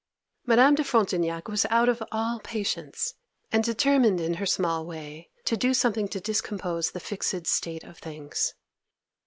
Madame de Frontignac was out of all patience, and determined in her small way to do something to discompose the fixed state of things.